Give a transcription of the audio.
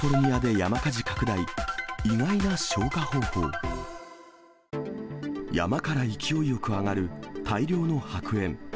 山から勢いよく上がる大量の白煙。